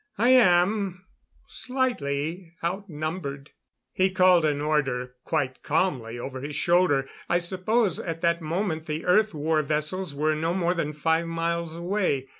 I am slightly outnumbered." He called an order, quite calmly over his shoulder. I suppose, at that moment, the Earth war vessels were no more than five miles away.